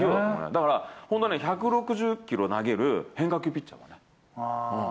だから１６０キロ投げる変化球ピッチャーだね。